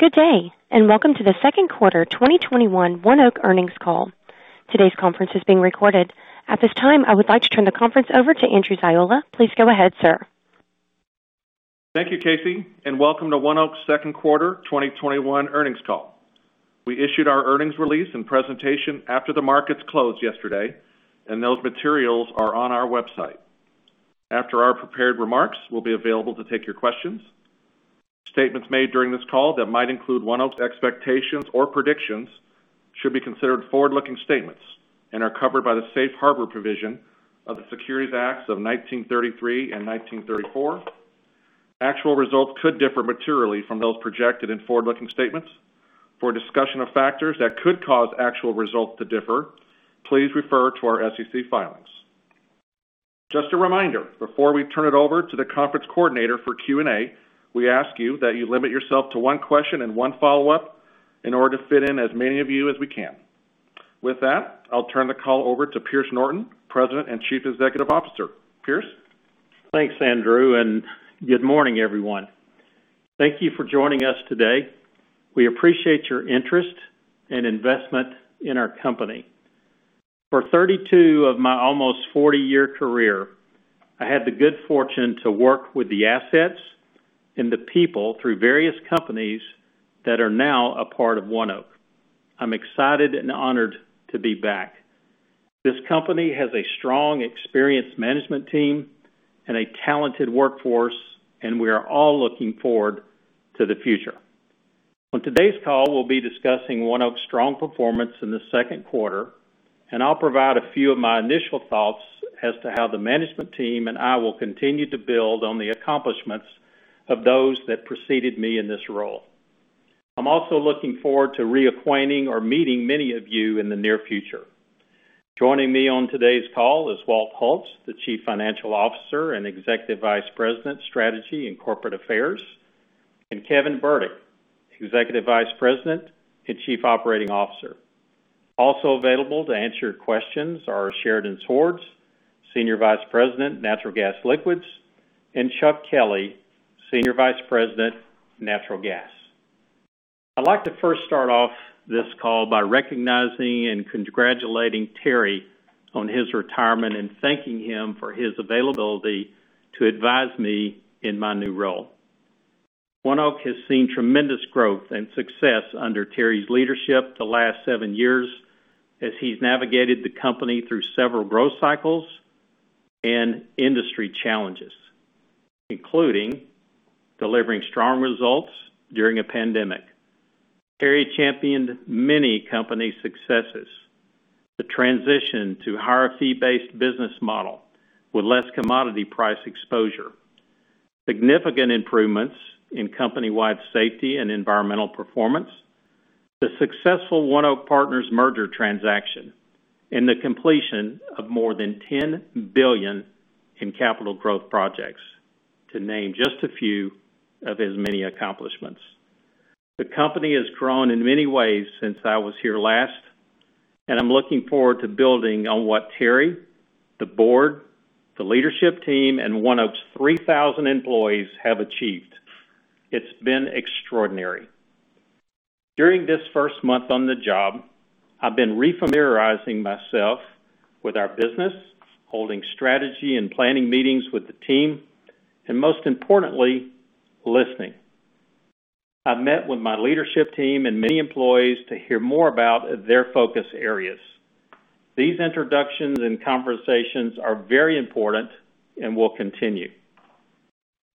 Good day, and welcome to the second quarter 2021 ONEOK earnings call. Today's conference is being recorded. At this time, I would like to turn the conference over to Andrew Ziola. Please go ahead, sir. Thank you, Casey, and welcome to ONEOK's second quarter 2021 earnings call. We issued our earnings release and presentation after the markets closed yesterday, and those materials are on our website. After our prepared remarks, we'll be available to take your questions. Statements made during this call that might include ONEOK's expectations or predictions should be considered forward-looking statements and are covered by the safe harbor provision of the Securities Acts of 1933 and 1934. Actual results could differ materially from those projected in forward-looking statements. For a discussion of factors that could cause actual results to differ, please refer to our SEC filings. Just a reminder, before we turn it over to the conference coordinator for Q&A, we ask you that you limit yourself to one question and one follow-up in order to fit in as many of you as we can. With that, I'll turn the call over to Pierce Norton, President and Chief Executive Officer. Pierce? Thanks, Andrew. Good morning, everyone. Thank you for joining us today. We appreciate your interest and investment in our company. For 32 of my almost 40-year career, I had the good fortune to work with the assets and the people through various companies that are now a part of ONEOK. I'm excited and honored to be back. This company has a strong, experienced management team and a talented workforce, and we are all looking forward to the future. On today's call, we'll be discussing ONEOK's strong performance in the second quarter, and I'll provide a few of my initial thoughts as to how the management team and I will continue to build on the accomplishments of those that preceded me in this role. I'm also looking forward to reacquainting or meeting many of you in the near future. Joining me on today's call is Walter Hulse, the Chief Financial Officer and Executive Vice President, Strategy and Corporate Affairs, and Kevin Burdick, Executive Vice President and Chief Operating Officer. Also available to answer questions are Sheridan Swords, Senior Vice President, Natural Gas Liquids, and Chuck Kelley, Senior Vice President, Natural Gas. I'd like to first start off this call by recognizing and congratulating Terry on his retirement and thanking him for his availability to advise me in my new role. ONEOK has seen tremendous growth and success under Terry's leadership the last seven years, as he's navigated the company through several growth cycles and industry challenges, including delivering strong results during a pandemic. Terry championed many company successes. The transition to a higher fee-based business model with less commodity price exposure, significant improvements in company-wide safety and environmental performance, the successful ONEOK Partners merger transaction, and the completion of more than $10 billion in capital growth projects, to name just a few of his many accomplishments. The company has grown in many ways since I was here last, and I'm looking forward to building on what Terry, the board, the leadership team, and ONEOK's 3,000 employees have achieved. It's been extraordinary. During this first month on the job, I've been refamiliarizing myself with our business, holding strategy and planning meetings with the team, and most importantly, listening. I've met with my leadership team and many employees to hear more about their focus areas. These introductions and conversations are very important and will continue.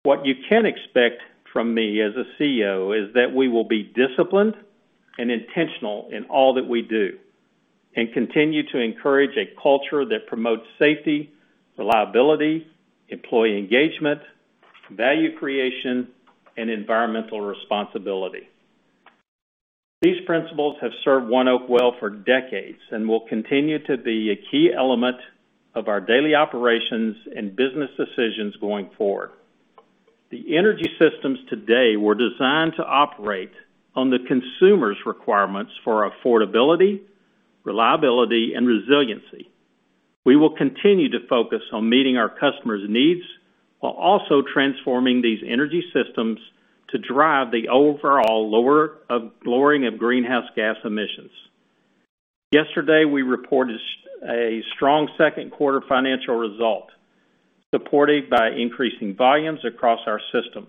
What you can expect from me as a CEO is that we will be disciplined and intentional in all that we do and continue to encourage a culture that promotes safety, reliability, employee engagement, value creation, and environmental responsibility. These principles have served ONEOK well for decades and will continue to be a key element of our daily operations and business decisions going forward. The energy systems today were designed to operate on the consumer's requirements for affordability, reliability, and resiliency. We will continue to focus on meeting our customers' needs while also transforming these energy systems to drive the overall lowering of greenhouse gas emissions. Yesterday, we reported a strong second quarter financial result, supported by increasing volumes across our system.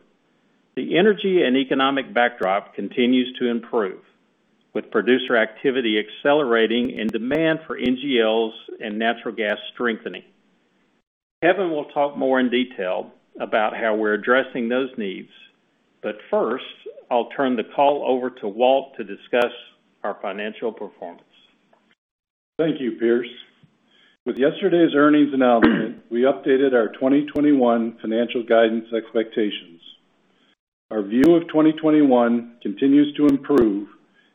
The energy and economic backdrop continues to improve, with producer activity accelerating and demand for NGLs and natural gas strengthening. Kevin will talk more in detail about how we're addressing those needs. First, I'll turn the call over to Walt to discuss our financial performance. Thank you, Pierce. With yesterday's earnings announcement, we updated our 2021 financial guidance expectations. Our view of 2021 continues to improve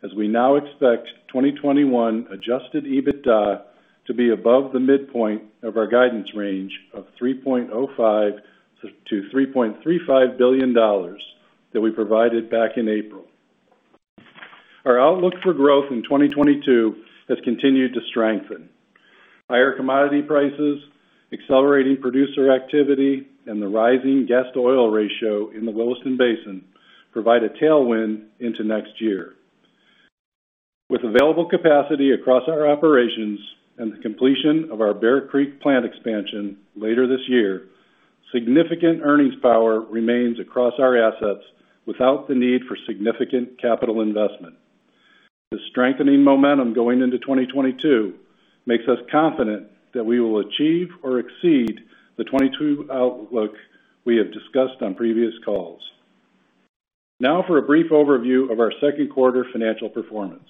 as we now expect 2021 adjusted EBITDA to be above the midpoint of our guidance range of $3.05 billion-$3.35 billion that we provided back in April. Our outlook for growth in 2022 has continued to strengthen. Higher commodity prices, accelerating producer activity, and the rising gas-to-oil ratio in the Williston Basin provide a tailwind into next year. With available capacity across our operations and the completion of our Bear Creek plant expansion later this year, significant earnings power remains across our assets without the need for significant capital investment. The strengthening momentum going into 2022 makes us confident that we will achieve or exceed the 2022 outlook we have discussed on previous calls. Now for a brief overview of our second quarter financial performance.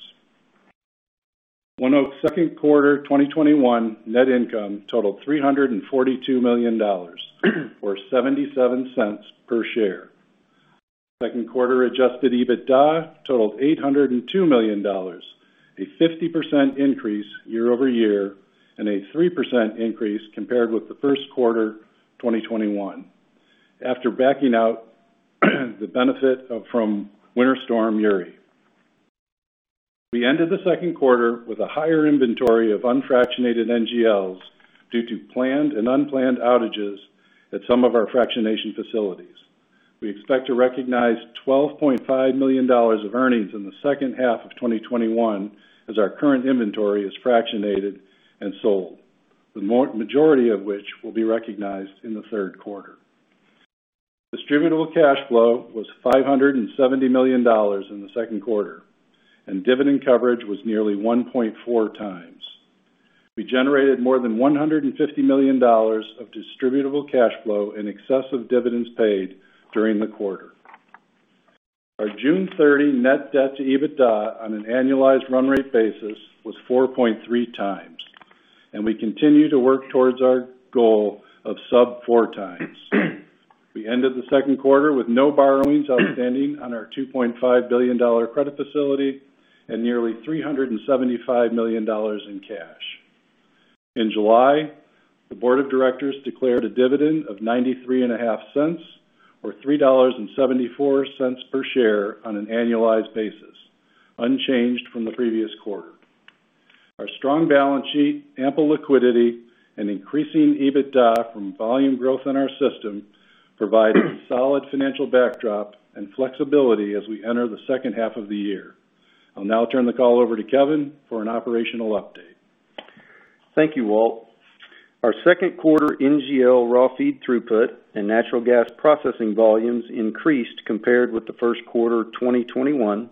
ONEOK's second quarter 2021 net income totaled $342 million or $0.77 per share. Second quarter adjusted EBITDA totaled $802 million, a 50% increase year-over-year and a 3% increase compared with the first quarter 2021, after backing out the benefit from Winter Storm Uri. We ended the second quarter with a higher inventory of unfractionated NGLs due to planned and unplanned outages at some of our fractionation facilities. We expect to recognize $12.5 million of earnings in the second half of 2021 as our current inventory is fractionated and sold, the majority of which will be recognized in the third quarter. Distributable cash flow was $570 million in the second quarter, and dividend coverage was nearly 1.4x. We generated more than $150 million of distributable cash flow in excess of dividends paid during the quarter. Our June 30 net debt to EBITDA on an annualized run rate basis was 4.3x, and we continue to work towards our goal of sub-4x. We ended the second quarter with no borrowings outstanding on our $2.5 billion credit facility and nearly $375 million in cash. In July, the board of directors declared a dividend of $0.935 or $3.74 per share on an annualized basis, unchanged from the previous quarter. Our strong balance sheet, ample liquidity, and increasing EBITDA from volume growth in our system provide a solid financial backdrop and flexibility as we enter the second half of the year. I'll now turn the call over to Kevin for an operational update. Thank you, Walt. Our second quarter NGL raw feed throughput and natural gas processing volumes increased compared with the first quarter 2021,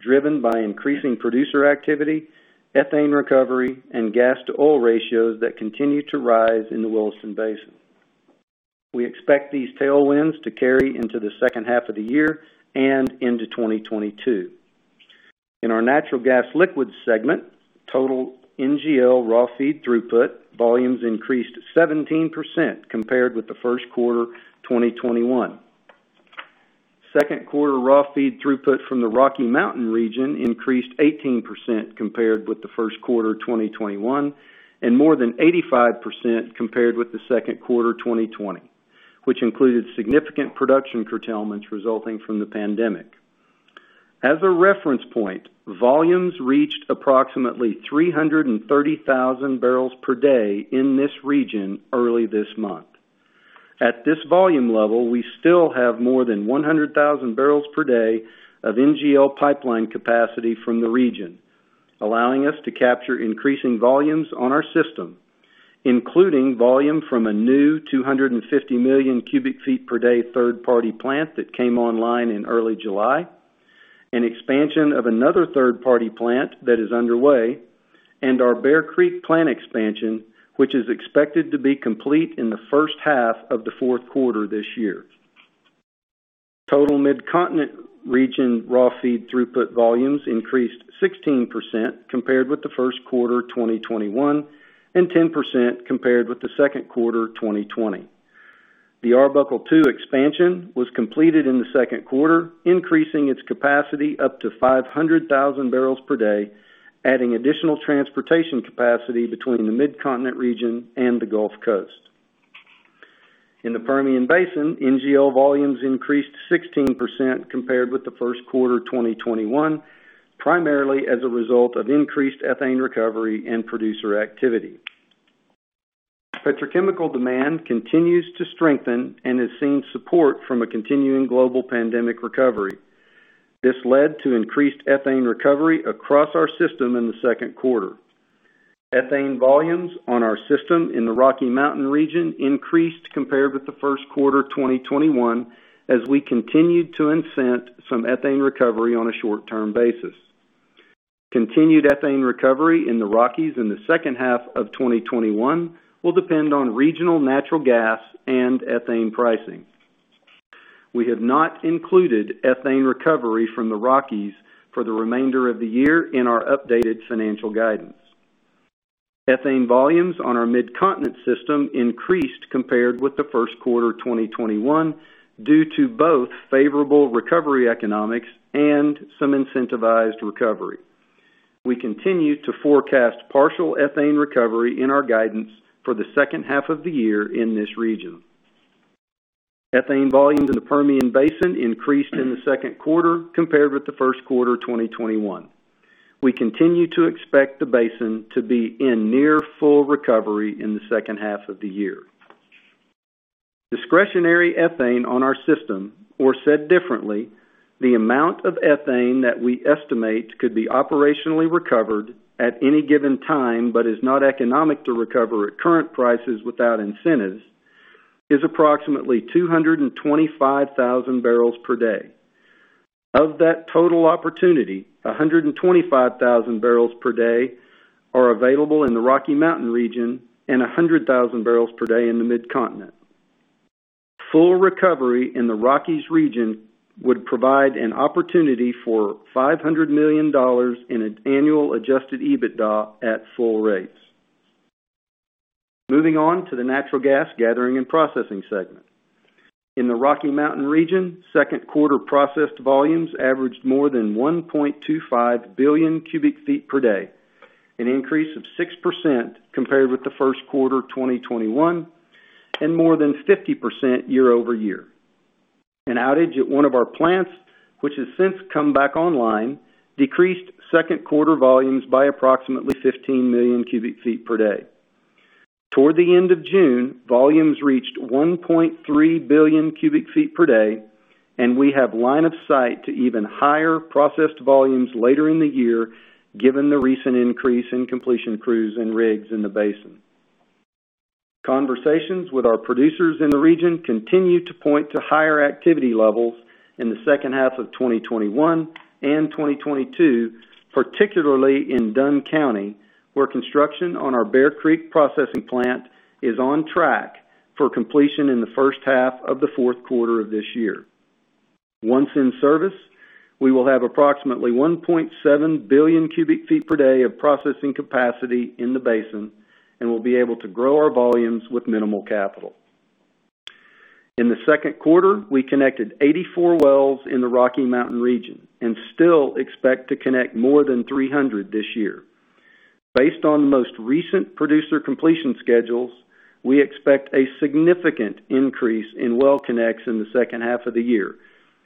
driven by increasing producer activity, ethane recovery, and gas-to-oil ratios that continue to rise in the Williston Basin. We expect these tailwinds to carry into the second half of the year and into 2022. In our natural gas liquids segment, total NGL raw feed throughput volumes increased 17% compared with the first quarter 2021. Second quarter raw feed throughput from the Rocky Mountain region increased 18% compared with the first quarter 2021 and more than 85% compared with the second quarter 2020, which included significant production curtailments resulting from the pandemic. As a reference point, volumes reached approximately 330,000 bbl/d in this region early this month. At this volume level, we still have more than 100,000 bbl/d of NGL pipeline capacity from the region, allowing us to capture increasing volumes on our system, including volume from a new 250 MMcf/d third-party plant that came online in early July, an expansion of another third-party plant that is underway, and our Bear Creek plant expansion, which is expected to be complete in the first half of the fourth quarter this year. Total Midcontinent region NGL raw feed throughput volumes increased 16% compared with the first quarter 2021 and 10% compared with the second quarter 2020. The Arbuckle 2 expansion was completed in the second quarter, increasing its capacity up to 500,000 bbl/d, adding additional transportation capacity between the Midcontinent region and the Gulf Coast. In the Permian Basin, NGL volumes increased 16% compared with the first quarter 2021, primarily as a result of increased ethane recovery and producer activity. Petrochemical demand continues to strengthen and has seen support from a continuing global pandemic recovery. This led to increased ethane recovery across our system in the second quarter. Ethane volumes on our system in the Rocky Mountain region increased compared with the first quarter 2021 as we continued to incent some ethane recovery on a short-term basis. Continued ethane recovery in the Rockies in the second half of 2021 will depend on regional natural gas and ethane pricing. We have not included ethane recovery from the Rockies for the remainder of the year in our updated financial guidance. Ethane volumes on our Midcontinent system increased compared with the first quarter 2021 due to both favorable recovery economics and some incentivized recovery. We continue to forecast partial ethane recovery in our guidance for the second half of the year in this region. Ethane volumes in the Permian Basin increased in the second quarter compared with the first quarter 2021. We continue to expect the basin to be in near full recovery in the second half of the year. Discretionary ethane on our system, or said differently, the amount of ethane that we estimate could be operationally recovered at any given time, but is not economic to recover at current prices without incentives, is approximately 225,000 bbl/d. Of that total opportunity, 125,000 bbl/d are available in the Rocky Mountain region and 100,000 bbl/d in the Mid-Continent. Full recovery in the Rockies region would provide an opportunity for $500 million in annual adjusted EBITDA at full rates. Moving on to the natural gas gathering and processing segment. In the Rocky Mountain region, second quarter processed volumes averaged more than 1.25 BCF/d, an increase of 6% compared with the first quarter 2021, and more than 50% year-over-year. An outage at one of our plants, which has since come back online, decreased second quarter volumes by approximately 15 MMcf/d. Toward the end of June, volumes reached 1.3 BCF/d, and we have line of sight to even higher processed volumes later in the year, given the recent increase in completion crews and rigs in the basin. Conversations with our producers in the region continue to point to higher activity levels in the second half of 2021 and 2022, particularly in Dunn County, where construction on our Bear Creek processing plant is on track for completion in the first half of the fourth quarter of this year. Once in service, we will have approximately 1.7 BCF/d of processing capacity in the basin and will be able to grow our volumes with minimal capital. In the second quarter, we connected 84 wells in the Rocky Mountain region and still expect to connect more than 300 this year. Based on the most recent producer completion schedules, we expect a significant increase in well connects in the second half of the year,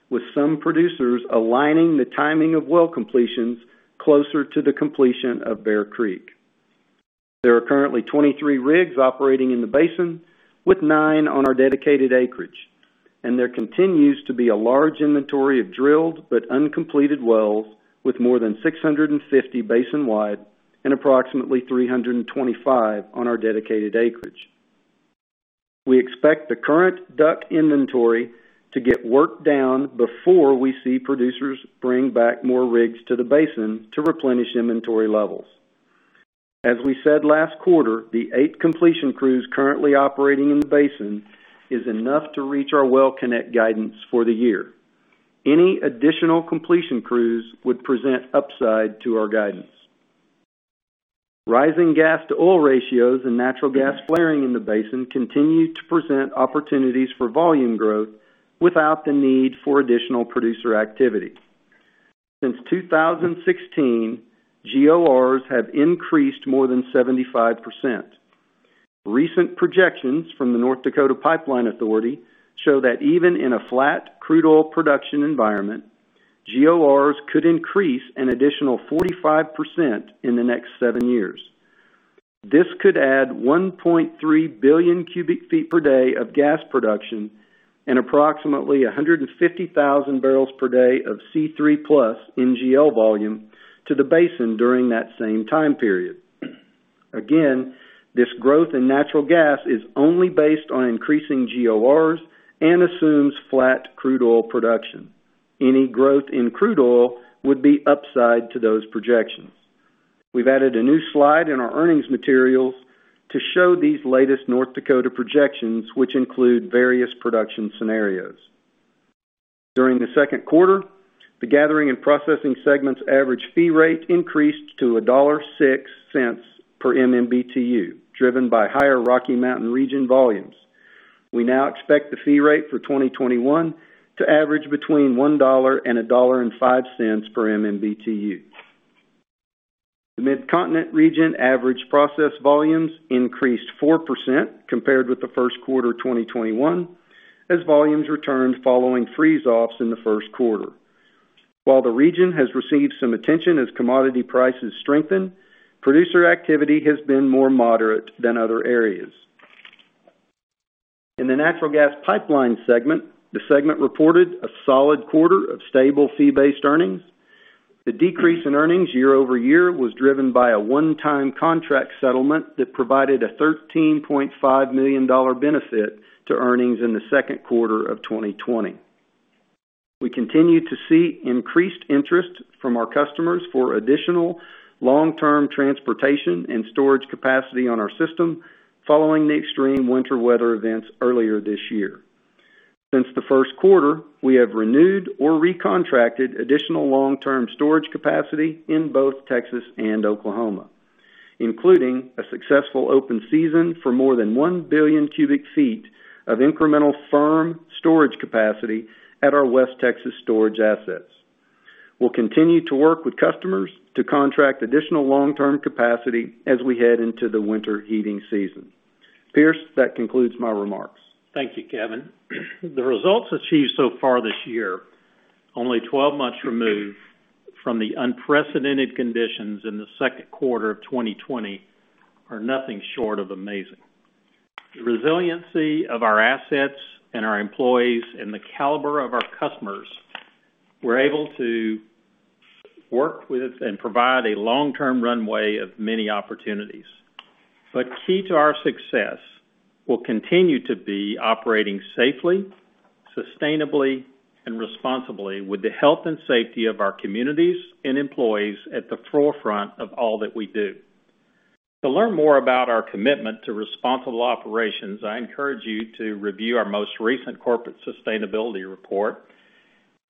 with some producers aligning the timing of well completions closer to the completion of Bear Creek. There are currently 23 rigs operating in the basin, with nine on our dedicated acreage, and there continues to be a large inventory of drilled but uncompleted wells with more than 650 basin-wide and approximately 325 on our dedicated acreage. We expect the current DUC inventory to get worked down before we see producers bring back more rigs to the basin to replenish inventory levels. As we said last quarter, the eight completion crews currently operating in the basin is enough to reach our Well-connect guidance for the year. Any additional completion crews would present upside to our guidance. Rising gas-to-oil ratios and natural gas flaring in the basin continue to present opportunities for volume growth without the need for additional producer activity. Since 2016, GORs have increased more than 75%. Recent projections from the North Dakota Pipeline Authority show that even in a flat crude oil production environment, GORs could increase an additional 45% in the next seven years. This could add 1.3 BCF/d of gas production and approximately 150,000 bbl/d of C3+ NGL volume to the basin during that same time period. Again, this growth in natural gas is only based on increasing GORs and assumes flat crude oil production. Any growth in crude oil would be upside to those projections. We've added a new slide in our earnings materials to show these latest North Dakota projections, which include various production scenarios. During the second quarter, the gathering and processing segment's average fee rate increased to a $1.06 per MMBtu, driven by higher Rocky Mountain region volumes. We now expect the fee rate for 2021 to average between $1 and $1.05 per MMBtu. The Mid-Continent region average process volumes increased 4% compared with the first quarter 2021, as volumes returned following freeze-offs in the first quarter. While the region has received some attention as commodity prices strengthen, producer activity has been more moderate than other areas. In the natural gas pipeline segment, the segment reported a solid quarter of stable fee-based earnings. The decrease in earnings year-over-year was driven by a one-time contract settlement that provided a $13.5 million benefit to earnings in the second quarter of 2020. We continue to see increased interest from our customers for additional long-term transportation and storage capacity on our system following the extreme winter weather events earlier this year. Since the first quarter, we have renewed or recontracted additional long-term storage capacity in both Texas and Oklahoma, including a successful open season for more than 1 BCF of incremental firm storage capacity at our West Texas storage assets. We'll continue to work with customers to contract additional long-term capacity as we head into the winter heating season. Pierce, that concludes my remarks. Thank you, Kevin. The results achieved so far this year, only 12 months removed from the unprecedented conditions in the second quarter of 2020, are nothing short of amazing. The resiliency of our assets and our employees and the caliber of our customers, we're able to work with and provide a long-term runway of many opportunities. Key to our success will continue to be operating safely, sustainably, and responsibly with the health and safety of our communities and employees at the forefront of all that we do. To learn more about our commitment to responsible operations, I encourage you to review our most recent Corporate Sustainability Report,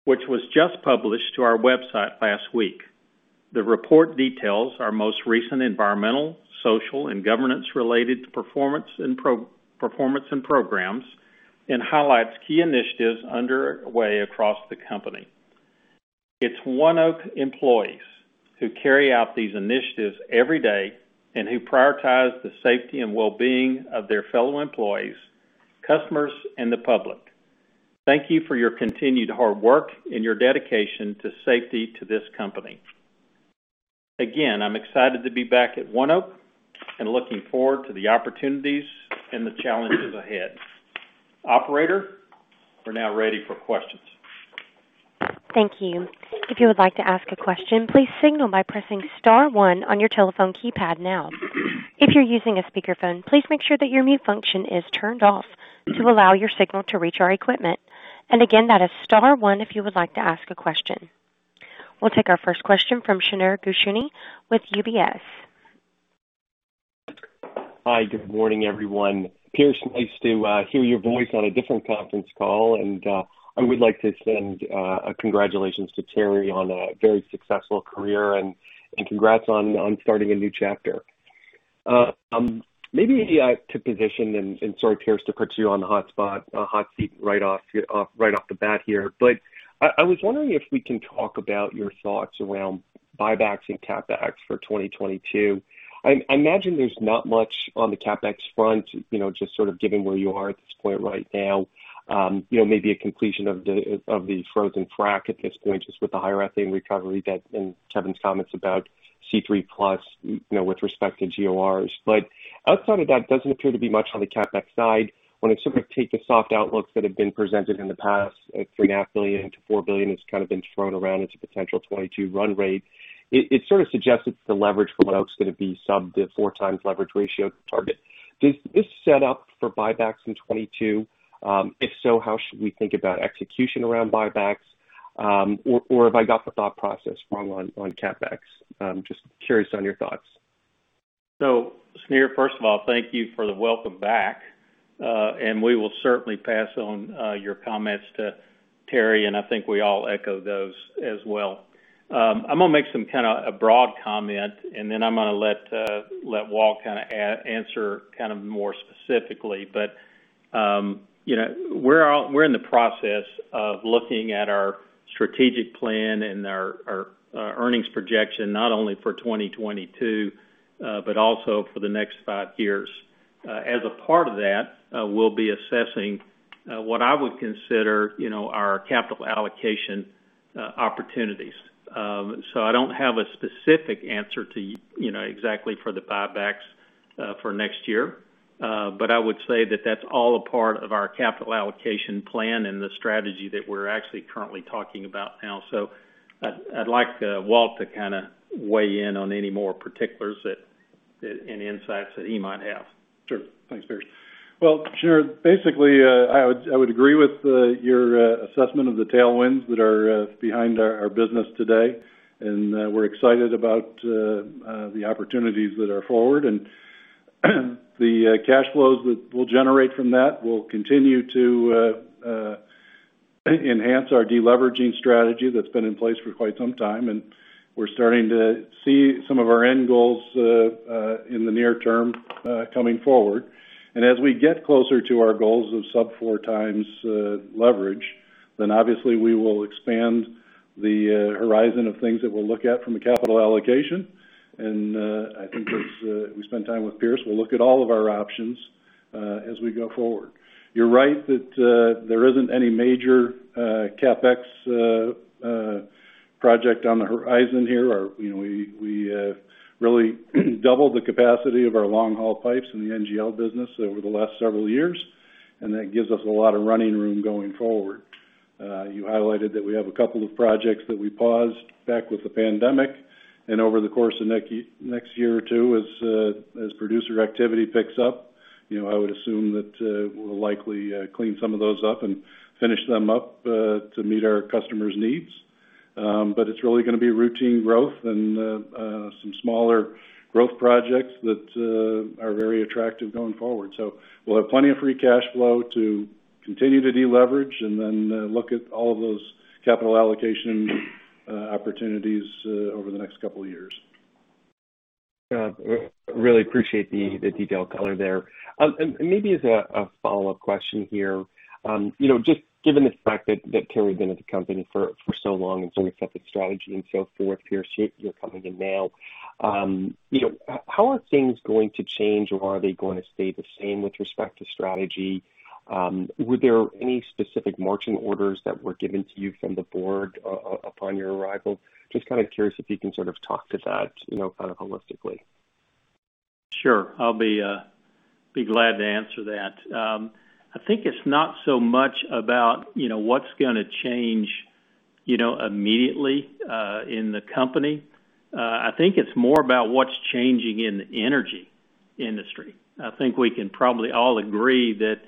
which was just published to our website last week. The report details our most recent environmental, social, and governance-related performance and programs, and highlights key initiatives underway across the company. It's ONEOK employees who carry out these initiatives every day and who prioritize the safety and wellbeing of their fellow employees, customers, and the public. Thank you for your continued hard work and your dedication to safety to this company. Again, I'm excited to be back at ONEOK and looking forward to the opportunities and the challenges ahead. Operator, we're now ready for questions. Thank you. If you would like to ask a question, please signal by pressing star one on your telephone keypad now. If you're using a speakerphone, please make sure that your mute function is turned off to allow your signal to reach our equipment. Again, that is star one if you would like to ask a question. We'll take our first question from Shneur Gershuni with UBS. Hi, good morning, everyone. Pierce, nice to hear your voice on a different conference call, and I would like to send a congratulations to Terry on a very successful career and congrats on starting a new chapter. Maybe to position, and sorry, Pierce, to put you on the hot seat right off the bat here. I was wondering if we can talk about your thoughts around buybacks and CapEx for 2022. I imagine there's not much on the CapEx front, just sort of given where you are at this point right now. Maybe a completion of the frozen frac at this point, just with the higher ethane recovery and Kevin's comments about C3 plus with respect to GORs. Outside of that, doesn't appear to be much on the CapEx side. When I sort of take the soft outlooks that have been presented in the past, $3.5 billion-$4 billion has kind of been thrown around as a potential 2022 run rate. It sort of suggests it's the leverage for what else is going to be sub to 4x leverage ratio target. Does this set up for buybacks in 2022? If so, how should we think about execution around buybacks? Have I got the thought process wrong on CapEx? Just curious on your thoughts. Shneur, first of all, thank you for the welcome back. We will certainly pass on your comments to Terry, and I think we all echo those as well. I'm going to make some kind of a broad comment, and then I'm going to let Walt kind of answer kind of more specifically. We're in the process of looking at our strategic plan and our earnings projection, not only for 2022, but also for the next five years. As a part of that, we'll be assessing what I would consider our capital allocation opportunities. I don't have a specific answer to you, exactly for the buybacks for next year. I would say that that's all a part of our capital allocation plan and the strategy that we're actually currently talking about now. I'd like Walt to kind of weigh in on any more particulars and insights that he might have. Sure. Thanks, Pierce. Well, Shneur, basically, I would agree with your assessment of the tailwinds that are behind our business today, and we're excited about the opportunities that are forward. The cash flows that we'll generate from that will continue to enhance our de-leveraging strategy that's been in place for quite some time, and we're starting to see some of our end goals in the near term coming forward. As we get closer to our goals of sub 4x leverage, then obviously we will expand the horizon of things that we'll look at from a capital allocation. I think as we spend time with Pierce, we'll look at all of our options as we go forward. You're right that there isn't any major CapEx project on the horizon here. We really doubled the capacity of our long-haul pipes in the NGL business over the last several years. That gives us a lot of running room going forward. You highlighted that we have a couple of projects that we paused back with the pandemic. Over the course of next year or two, as producer activity picks up, I would assume that we'll likely clean some of those up and finish them up to meet our customers' needs. It's really going to be routine growth and some smaller growth projects that are very attractive going forward. We'll have plenty of free cash flow to continue to de-leverage and then look at all of those capital allocation opportunities over the next couple of years. Yeah. Really appreciate the detailed color there. Maybe as a follow-up question here, just given the fact that Terry's been at the company for so long and set the strategy and so forth, Pierce, you're coming in now. How are things going to change, or are they going to stay the same with respect to strategy? Were there any specific marching orders that were given to you from the board upon your arrival? Just kind of curious if you can sort of talk to that holistically. Sure. I'll be glad to answer that. I think it's not so much about what's going to change immediately in the company. I think it's more about what's changing in the energy industry. I think we can probably all agree that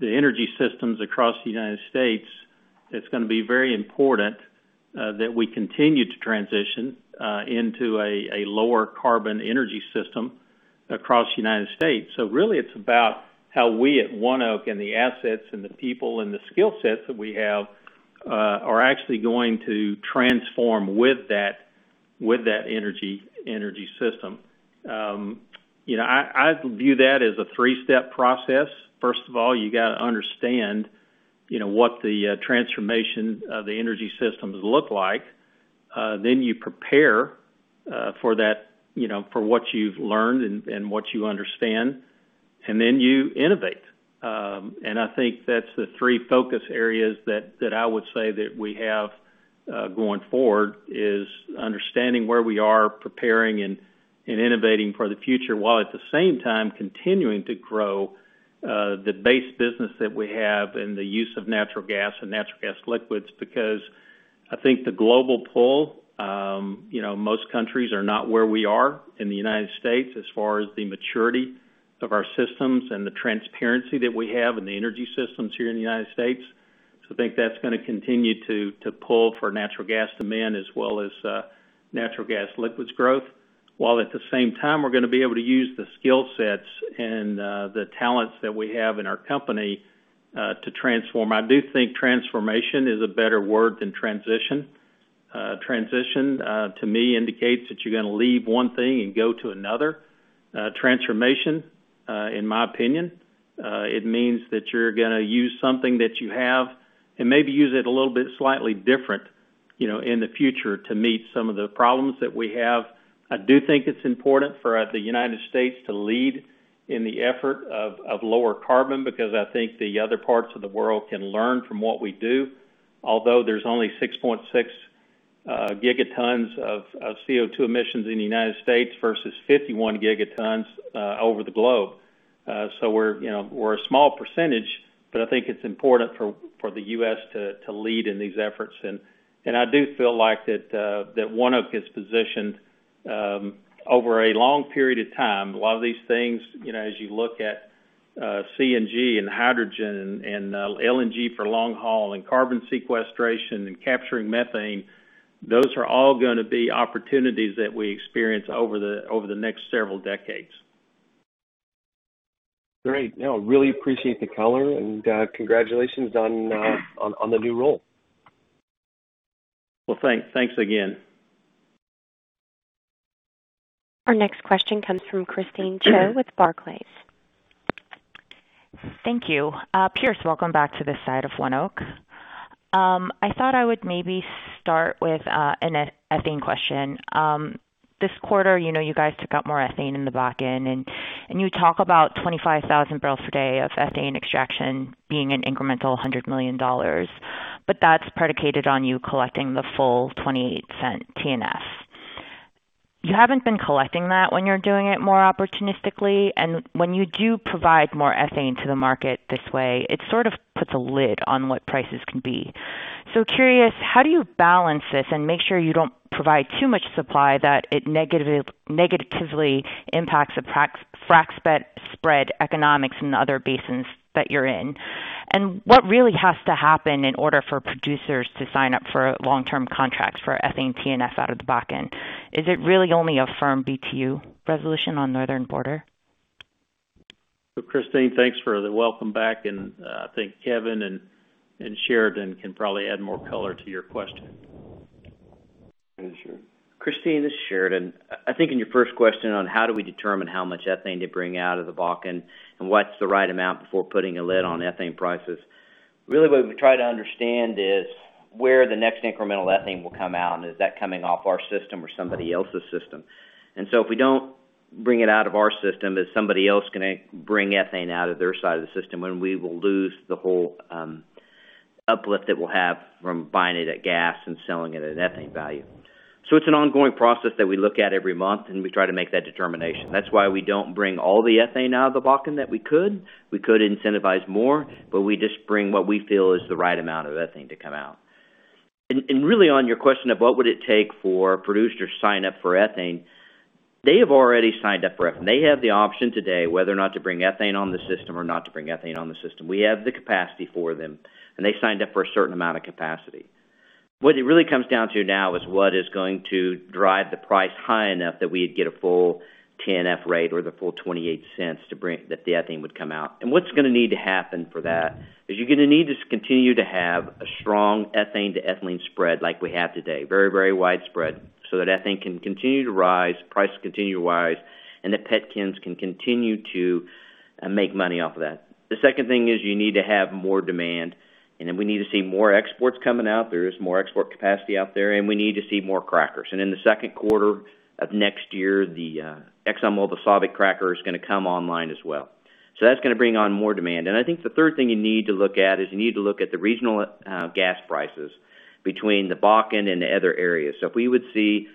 the energy systems across the United States, it's going to be very important that we continue to transition into a lower carbon energy system across the United States. Really it's about how we at ONEOK and the assets and the people and the skill sets that we have are actually going to transform with that energy system. I view that as a three-step process. First of all, you got to understand what the transformation of the energy systems look like. You prepare for what you've learned and what you understand, and then you innovate. I think that's the three focus areas that I would say that we have going forward, is understanding where we are preparing and innovating for the future, while at the same time continuing to grow the base business that we have and the use of natural gas and natural gas liquids. I think the global pull, most countries are not where we are in the U.S. as far as the maturity of our systems and the transparency that we have in the energy systems here in the U.S. I think that's going to continue to pull for natural gas demand as well as natural gas liquids growth. At the same time, we're going to be able to use the skill sets and the talents that we have in our company to transform. I do think transformation is a better word than transition. Transition, to me, indicates that you're going to leave one thing and go to another. Transformation, in my opinion, it means that you're going to use something that you have and maybe use it a little bit slightly different, in the future to meet some of the problems that we have. I do think it's important for the United States to lead in the effort of lower carbon, because I think the other parts of the world can learn from what we do. Although there's only 6.6 Gt of CO2 emissions in the United States versus 51 Gt over the globe. We're a small percentage, but I think it's important for the U.S. to lead in these efforts. I do feel like that ONEOK is positioned over a long period of time. A lot of these things, as you look at CNG and hydrogen and LNG for long haul and carbon sequestration and capturing methane, those are all going to be opportunities that we experience over the next several decades. Great. No, really appreciate the color and congratulations on the new role. Well, thanks again. Our next question comes from Christine Cho with Barclays. Thank you. Pierce, welcome back to the side of ONEOK. I thought I would maybe start with an ethane question. This quarter you guys took out more ethane in the Bakken, you talk about 25,000 bbl/d of ethane extraction being an incremental $100 million. That's predicated on you collecting the full $0.28 T&F. You haven't been collecting that when you're doing it more opportunistically. When you do provide more ethane to the market this way, it sort of puts a lid on what prices can be. Curious, how do you balance this and make sure you don't provide too much supply that it negatively impacts the frac spread economics in the other basins that you're in? What really has to happen in order for producers to sign up for long-term contracts for ethane T&F out of the Bakken? Is it really only a firm BTU resolution on Northern Border? Christine, thanks for the welcome back. I think Kevin and Sheridan can probably add more color to your question. Go ahead, Sheridan. Christine, this is Sheridan. I think in your first question on how do we determine how much ethane to bring out of the Bakken and what's the right amount before putting a lid on ethane prices. Really what we try to understand is where the next incremental ethane will come out, and is that coming off our system or somebody else's system. If we don't bring it out of our system, is somebody else going to bring ethane out of their side of the system? We will lose the whole uplift that we'll have from buying it at gas and selling it at ethane value. It's an ongoing process that we look at every month, and we try to make that determination. That's why we don't bring all the ethane out of the Bakken that we could. We could incentivize more, we just bring what we feel is the right amount of ethane to come out. Really on your question of what would it take for producers to sign up for ethane? They have already signed up for ethane. They have the option today whether or not to bring ethane on the system or not to bring ethane on the system. We have the capacity for them, and they signed up for a certain amount of capacity. What it really comes down to now is what is going to drive the price high enough that we'd get a full T&F rate or the full $0.28 that the ethane would come out. What's going to need to happen for that is you're going to need to continue to have a strong ethane to ethylene spread like we have today, very widespread, so that ethane can continue to rise, prices continue to rise, and that pet chems can continue to make money off of that. The second thing is you need to have more demand, we need to see more exports coming out. There is more export capacity out there, we need to see more crackers. In the second quarter of next year, the ExxonMobil Pasadena cracker is going to come online as well. That's going to bring on more demand. I think the third thing you need to look at is you need to look at the regional gas prices between the Bakken and the other areas. If we would see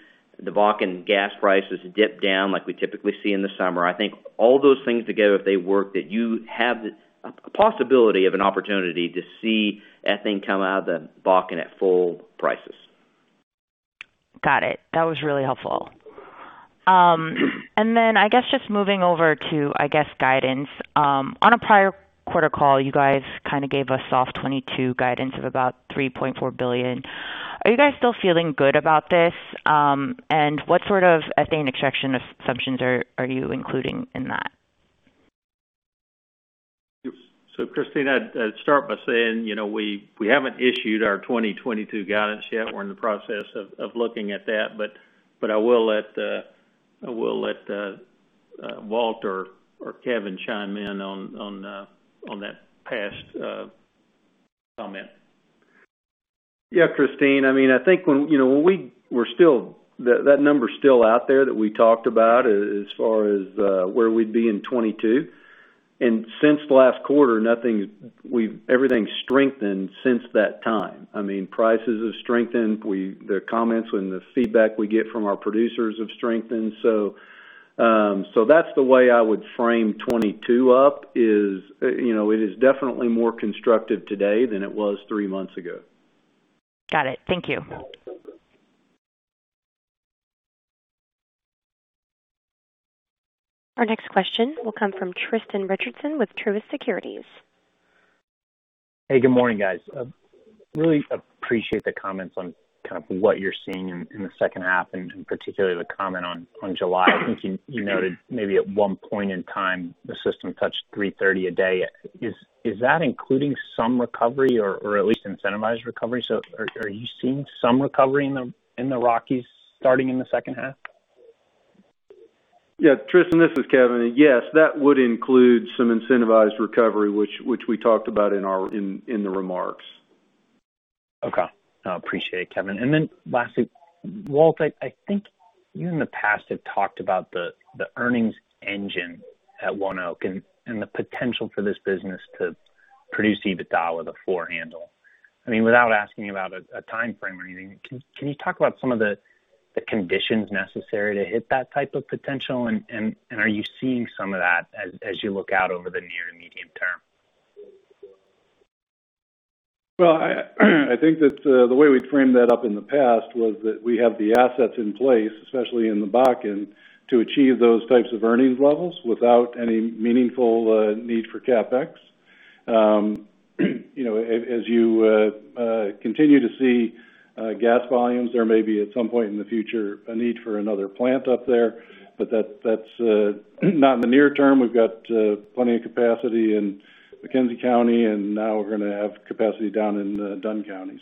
the Bakken gas prices dip down like we typically see in the summer, I think all those things together, if they work, that you have a possibility of an opportunity to see ethane come out of the Bakken at full prices. Got it. That was really helpful. Then just moving over to guidance. On a prior quarter call, you guys gave us soft 2022 guidance of about $3.4 billion. Are you guys still feeling good about this? What sort of ethane extraction assumptions are you including in that? Christine, I'd start by saying, we haven't issued our 2022 guidance yet. We're in the process of looking at that, but I will let Walt or Kevin chime in on that past comment. Yeah, Christine. I think that number's still out there that we talked about as far as where we'd be in 2022. Since last quarter, everything's strengthened since that time. Prices have strengthened. The comments and the feedback we get from our producers have strengthened. That's the way I would frame 2022 up is, it is definitely more constructive today than it was three months ago. Got it. Thank you. Our next question will come from Tristan Richardson with Truist Securities. Hey, good morning, guys. Really appreciate the comments on kind of what you're seeing in the second half, particularly the comment on July. I think you noted maybe at one point in time, the system touched 330 a day. Is that including some recovery or at least incentivized recovery? Are you seeing some recovery in the Rockies starting in the second half? Yeah. Tristan, this is Kevin. Yes, that would include some incentivized recovery, which we talked about in the remarks. Okay. I appreciate it, Kevin. Lastly, Walt, I think you in the past have talked about the earnings engine at ONEOK and the potential for this business to produce EBITDA with a 4 handle. Without asking about a timeframe or anything, can you talk about some of the conditions necessary to hit that type of potential? Are you seeing some of that as you look out over the near and medium term? Well, I think that the way we'd framed that up in the past was that we have the assets in place, especially in the Bakken, to achieve those types of earnings levels without any meaningful need for CapEx. As you continue to see gas volumes, there may be at some point in the future a need for another plant up there, but that's not in the near term. We've got plenty of capacity in McKenzie County, and now we're going to have capacity down in Dunn County.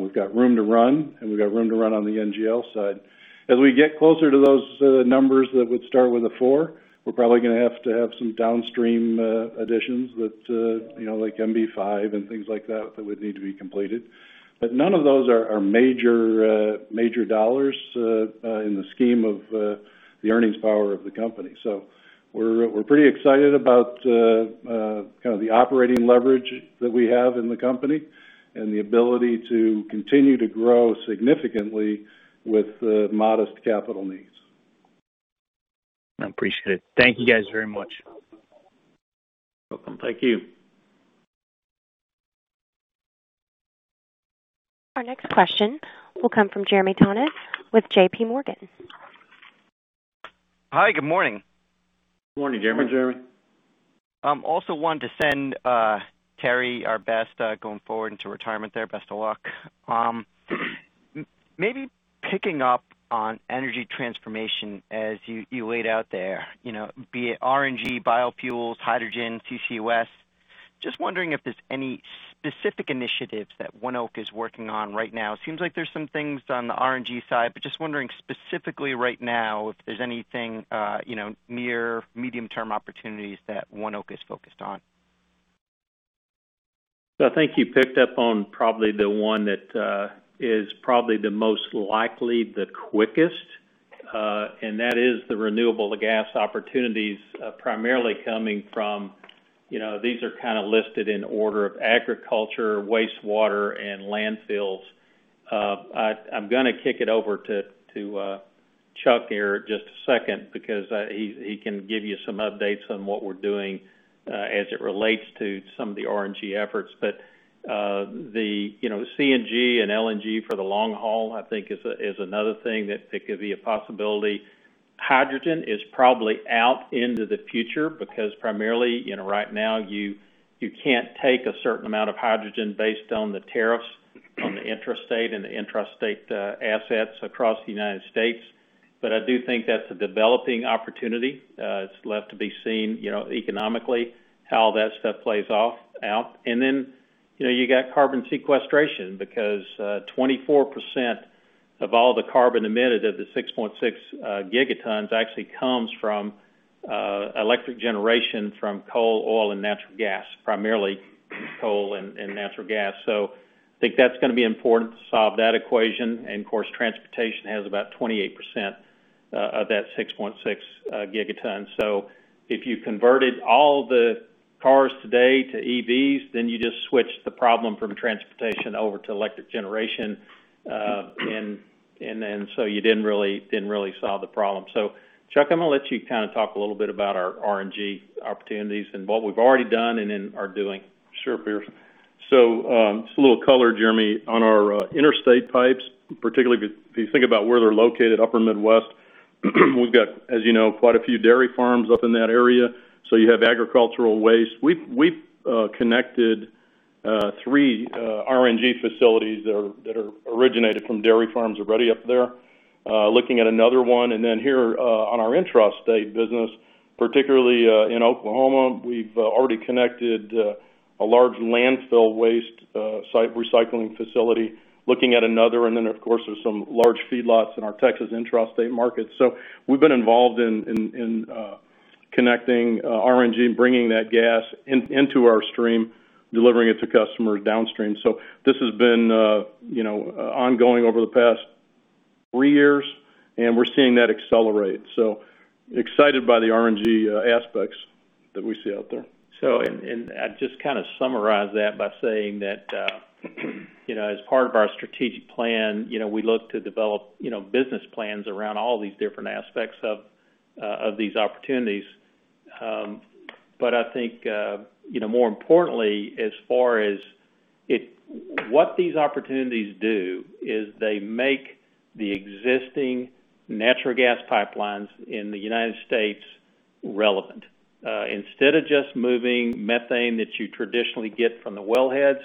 We've got room to run, and we've got room to run on the NGL side. As we get closer to those numbers that would start with a four, we're probably going to have to have some downstream additions, like MB-5 and things like that would need to be completed. None of those are major dollars in the scheme of the earnings power of the company. We're pretty excited about the operating leverage that we have in the company and the ability to continue to grow significantly with modest capital needs. I appreciate it. Thank you guys very much. Welcome. Thank you. Our next question will come from Jeremy Tonet with JPMorgan. Hi, good morning. Morning, Jeremy. Morning, Jeremy. Wanted to send Terry K. Spencer our best going forward into retirement there. Best of luck. Maybe picking up on energy transformation as you laid out there, be it RNG, biofuels, hydrogen, CCUS, just wondering if there's any specific initiatives that ONEOK is working on right now. Seems like there's some things on the RNG side, but just wondering specifically right now if there's anything near medium-term opportunities that ONEOK is focused on. I think you picked up on probably the one that is probably the most likely the quickest, and that is the renewable to gas opportunities, primarily coming from. These are kind of listed in order of agriculture, wastewater, and landfills. I'm going to kick it over to Chuck here in just a second because he can give you some updates on what we're doing as it relates to some of the RNG efforts. The CNG and LNG for the long haul, I think is another thing that could be a possibility Hydrogen is probably out into the future because primarily, right now you can't take a certain amount of hydrogen based on the tariffs on the intrastate and the interstate assets across the U.S. I do think that's a developing opportunity. It's left to be seen economically how that stuff plays off out. You got carbon sequestration because 24% of all the carbon emitted of the 6.6 gigatons actually comes from electric generation from coal, oil, and natural gas, primarily coal and natural gas. I think that's going to be important to solve that equation. Of course, transportation has about 28% of that 6.6 gigatons. If you converted all the cars today to EVs, then you just switched the problem from transportation over to electric generation. You didn't really solve the problem. Chuck, I'm going to let you talk a little bit about our RNG opportunities and what we've already done and then are doing. Sure, Pierce. Just a little color, Jeremy, on our interstate pipes, particularly if you think about where they're located, upper Midwest, we've got, as you know, quite a few dairy farms up in that area. You have agricultural waste. We've connected 3 RNG facilities that are originated from dairy farms already up there. Looking at another one. Here on our intrastate business, particularly in Oklahoma, we've already connected a large landfill waste site recycling facility. Looking at another. Of course, there's some large feedlots in our Texas intrastate market. We've been involved in connecting RNG and bringing that gas into our stream, delivering it to customers downstream. This has been ongoing over the past three years, and we're seeing that accelerate. Excited by the RNG aspects that we see out there. I'd just kind of summarize that by saying that as part of our strategic plan, we look to develop business plans around all these different aspects of these opportunities. I think more importantly, as far as what these opportunities do is they make the existing natural gas pipelines in the U.S. relevant. Instead of just moving methane that you traditionally get from the wellheads,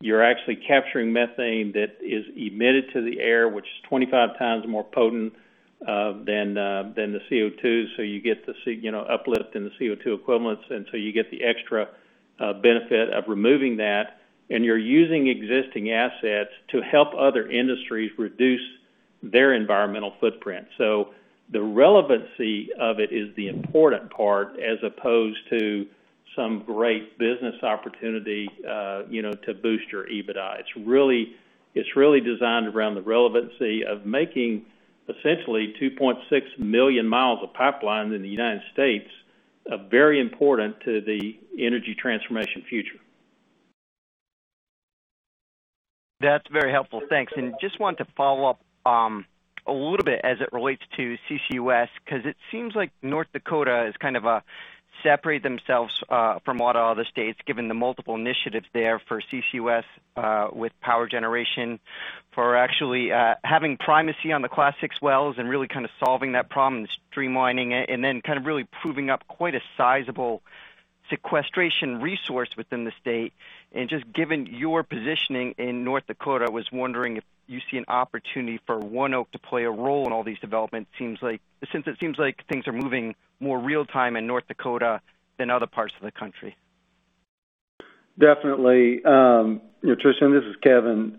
you're actually capturing methane that is emitted to the air, which is 25x more potent than the CO2s. You get the uplift in the CO2 equivalents, you get the extra benefit of removing that, you're using existing assets to help other industries reduce their environmental footprint. The relevancy of it is the important part as opposed to some great business opportunity to boost your EBITDA. It's really designed around the relevancy of making essentially 2.6 million miles of pipeline in the U.S. very important to the energy transformation future. That's very helpful. Thanks. Just wanted to follow up a little bit as it relates to CCUS, because it seems like North Dakota has kind of separated themselves from a lot of other states given the multiple initiatives there for CCUS with power generation, for actually having primacy on the Class VI wells and really kind of solving that problem and streamlining it, and then kind of really proving up quite a sizable sequestration resource within the state. Just given your positioning in North Dakota, I was wondering if you see an opportunity for ONEOK to play a role in all these developments since it seems like things are moving more real time in North Dakota than other parts of the country. Definitely. Tristan, this is Kevin.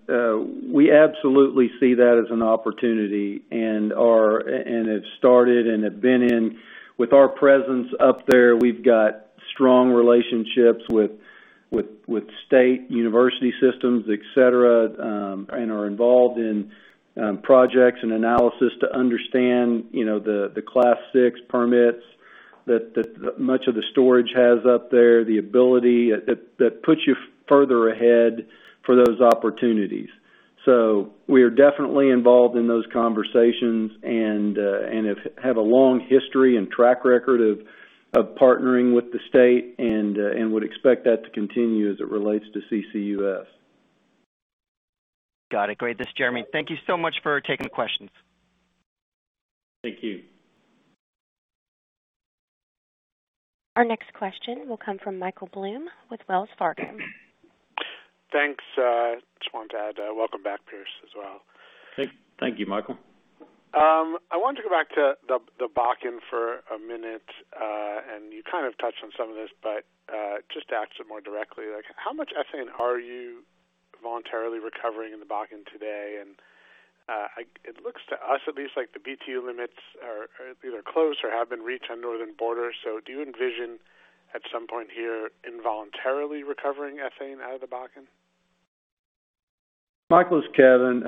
We absolutely see that as an opportunity and have started and have been in with our presence up there. We've got strong relationships with state university systems, et cetera, and are involved in projects and analysis to understand the Class VI permits that much of the storage has up there, the ability that puts you further ahead for those opportunities. We are definitely involved in those conversations and have a long history and track record of partnering with the state and would expect that to continue as it relates to CCUS. Got it. Great. This is Jeremy. Thank you so much for taking the questions. Thank you. Our next question will come from Michael Blum with Wells Fargo. Thanks. Just wanted to add, welcome back, Pierce, as well. Thank you, Michael. I wanted to go back to the Bakken for a minute. You kind of touched on some of this, but just to ask it more directly, how much ethane are you voluntarily recovering in the Bakken today? It looks to us at least like the BTU limits are either close or have been reached on Northern Border. Do you envision at some point here involuntarily recovering ethane out of the Bakken? Michael, this is Kevin.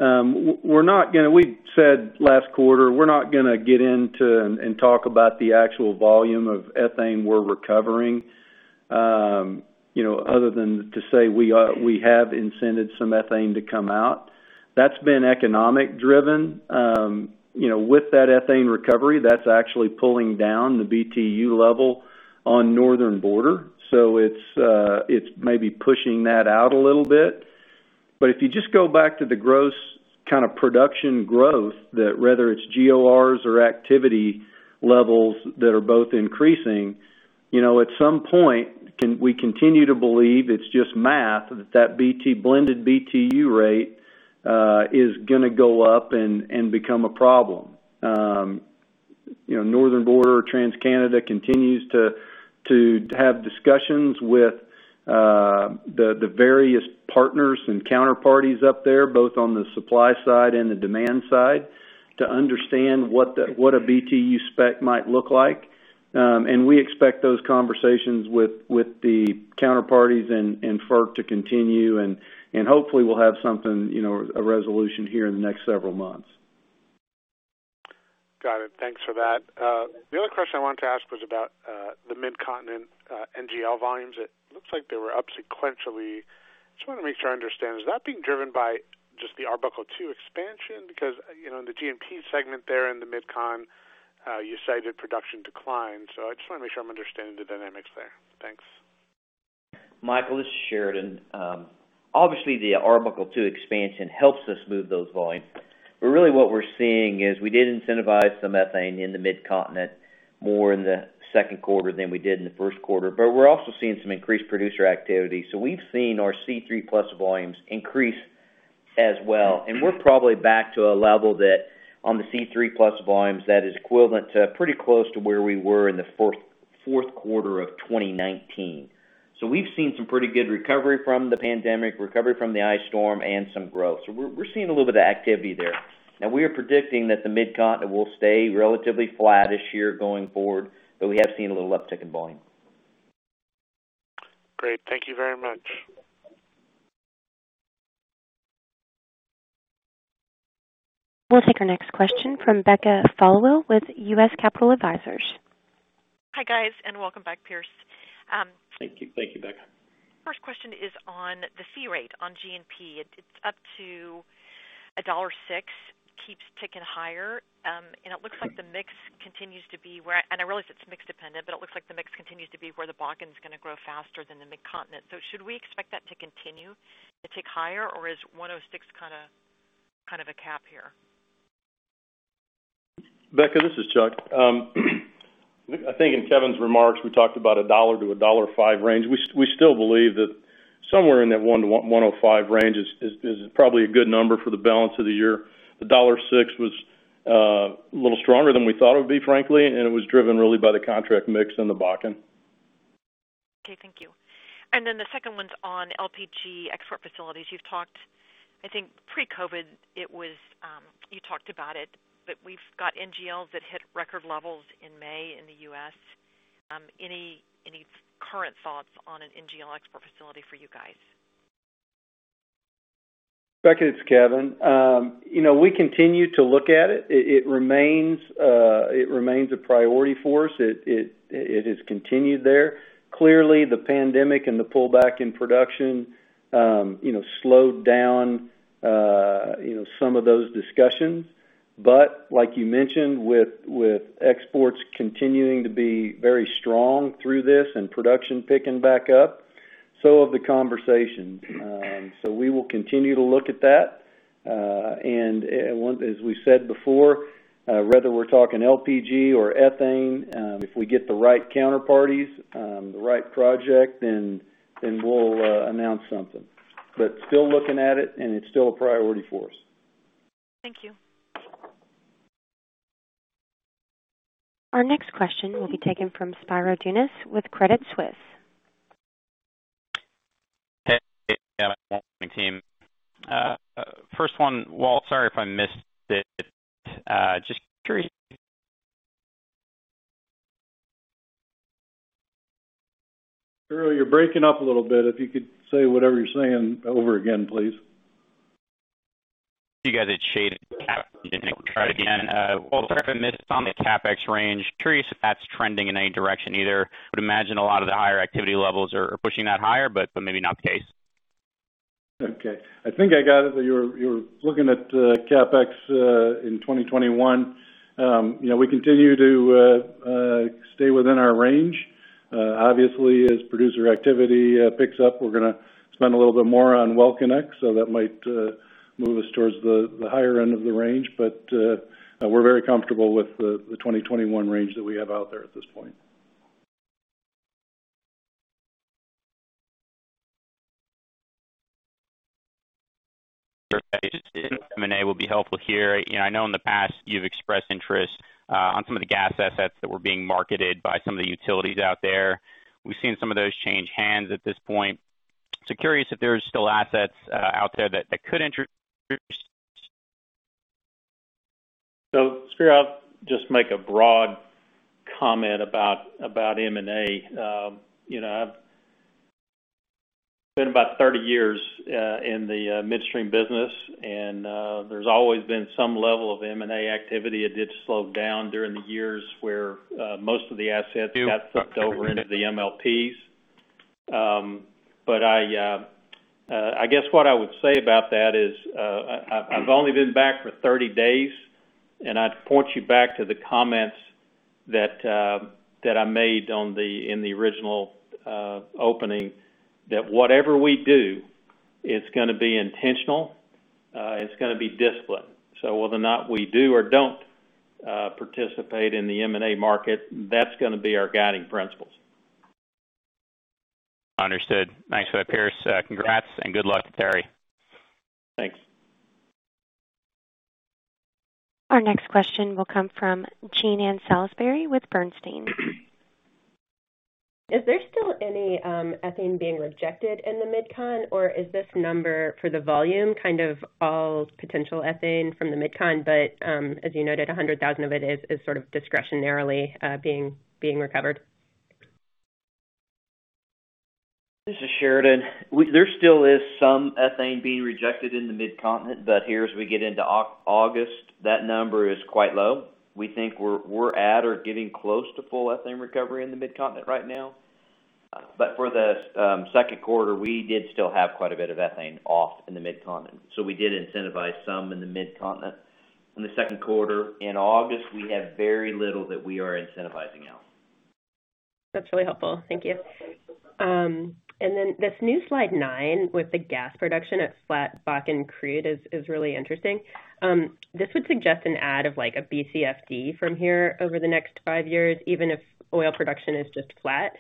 We said last quarter, we're not going to get into and talk about the actual volume of ethane we're recovering, other than to say we have incented some ethane to come out. That's been economic driven. With that ethane recovery, that's actually pulling down the BTU level on Northern Border. It's maybe pushing that out a little bit. If you just go back to the kind of production growth that, whether it's GORs or activity levels that are both increasing, at some point, we continue to believe it's just math, that blended BTU rate is going to go up and become a problem. Northern Border or TransCanada continues to have discussions with the various partners and counterparties up there, both on the supply side and the demand side, to understand what a BTU spec might look like. We expect those conversations with the counterparties and FERC to continue, and hopefully we'll have something, a resolution here in the next several months. Got it. Thanks for that. The other question I wanted to ask was about the Midcontinent NGL volumes. It looks like they were up sequentially. Just want to make sure I understand, is that being driven by just the Arbuckle II expansion? Because in the G&P segment there in the MidCon, you cited production decline. I just want to make sure I'm understanding the dynamics there. Thanks. Michael, this is Sheridan. Obviously, the Arbuckle II expansion helps us move those volumes. Really what we're seeing is we did incentivize some ethane in the Midcontinent more in the second quarter than we did in the first quarter. We're also seeing some increased producer activity. We've seen our C3+ volumes increase as well, and we're probably back to a level that on the C3+ volumes, that is equivalent to pretty close to where we were in the fourth quarter of 2019. We've seen some pretty good recovery from the pandemic, recovery from the ice storm, and some growth. We're seeing a little bit of activity there. Now we are predicting that the Midcontinent will stay relatively flat this year going forward, but we have seen a little uptick in volume. Great. Thank you very much. We'll take our next question from Becca Followill with U.S. Capital Advisors. Hi, guys, and welcome back, Pierce. Thank you, Becca. First question is on the fee rate on G&P. It's up to a $1.06, keeps ticking higher. It looks like the mix continues to be where I realize it's mix dependent, but it looks like the mix continues to be where the Bakken's going to grow faster than the Midcontinent. Should we expect that to continue to tick higher or is $1.06 kind of a cap here? Becca, this is Chuck. I think in Kevin's remarks, we talked about a $1-$1.05 range. We still believe that somewhere in that $1-$1.05 range is probably a good number for the balance of the year. The $1.06 was a little stronger than we thought it would be, frankly, and it was driven really by the contract mix in the Bakken. Okay, thank you. The second one's on LPG export facilities. You've talked, I think pre-COVID, you talked about it, we've got NGLs that hit record levels in May in the U.S. Any current thoughts on an NGL export facility for you guys? Becca, it's Kevin. We continue to look at it. It remains a priority for us. It has continued there. Clearly, the pandemic and the pullback in production slowed down some of those discussions. Like you mentioned, with exports continuing to be very strong through this and production picking back up, so have the conversations. We will continue to look at that. As we said before, whether we're talking LPG or ethane, if we get the right counterparties, the right project, then we'll announce something. Still looking at it, and it's still a priority for us. Thank you. Our next question will be taken from Spiro Dounis with Credit Suisse. Hey, good morning, team. First one, Walt, sorry if I missed it. Just curious. Spiro, you're breaking up a little bit. If you could say whatever you're saying over again, please. Walt, sorry if I missed this on the CapEx range. Curious if that's trending in any direction either. Would imagine a lot of the higher activity levels are pushing that higher, but maybe not the case. Okay. I think I got it. You're looking at CapEx in 2021. We continue to stay within our range. Obviously, as producer activity picks up, we're going to spend a little bit more on well-connects, that might move us towards the higher end of the range. We're very comfortable with the 2021 range that we have out there at this point. Sure. Some M&A will be helpful here. I know in the past you've expressed interest on some of the gas assets that were being marketed by some of the utilities out there. We've seen some of those change hands at this point. I am curious if there's still assets out there that could interest you. Spiro, I'll just make a broad comment about M&A. I've been about 30 years in the midstream business, and there's always been some level of M&A activity. It did slow down during the years where most of the assets got sucked over into the MLPs. I guess what I would say about that is, I've only been back for 30 days, and I'd point you back to the comments. That I made in the original opening, that whatever we do, it's going to be intentional, it's going to be disciplined. Whether or not we do or don't participate in the M&A market, that's going to be our guiding principles. Understood. Thanks for that, Pierce. Congrats and good luck to Terry. Thanks. Our next question will come from Jean Ann Salisbury with Bernstein. Is there still any ethane being rejected in the MidCon, or is this number for the volume kind of all potential ethane from the MidCon, but, as you noted, 100,000 of it is sort of discretionarily being recovered? This is Sheridan. There still is some ethane being rejected in the Mid-Continent, but here as we get into August, that number is quite low. We think we're at or getting close to full ethane recovery in the Mid-Continent right now. For the second quarter, we did still have quite a bit of ethane off in the Mid-Continent. We did incentivize some in the Mid-Continent in the second quarter. In August, we have very little that we are incentivizing out. That's really helpful. Thank you. Then this new slide nine with the gas production at flat Bakken crude is really interesting. This would suggest an add of like 1 BCFD from here over the next five years, even if oil production is just flat.